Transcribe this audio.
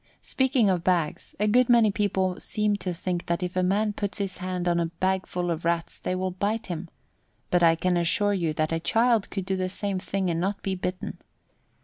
Speaking of bags, a good many people seem to think that if a man puts his hand into a bagful of Rats they will bite him, but I can assure you that a child could do the same thing and not be bitten.